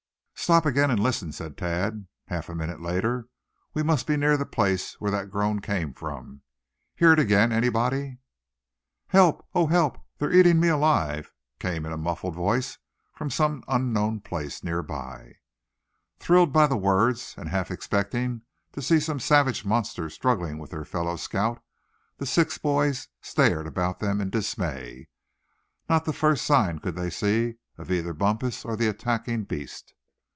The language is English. "Stop again, and listen," said Thad, half a minute later. "We must be near the place where that groan came from. Hear it again, anybody?" "Help! oh, help! they're eating me alive!" came in a muffled voice from some unknown place near by. Thrilled by the words, and half expecting to see some savage monster struggling with their fellow scout, the six boys stared about them in dismay. Not the first sign could they see of either Bumpus or the attacking beast.